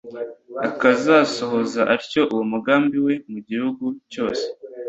akazasohoza atyo uwo mugambi we, mu gihugu cyose.